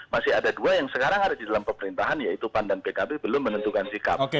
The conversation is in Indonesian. masih ada dua yang sekarang ada di dalam pemerintahan yaitu pan dan pkb belum menentukan sikap